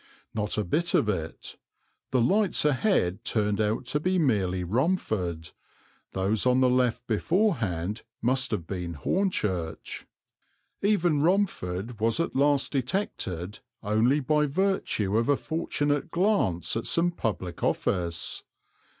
Not a bit of it; the lights ahead turned out to be merely Romford; those on the left beforehand must have been Hornchurch. Even Romford was at last detected only by virtue of a fortunate glance at some public office.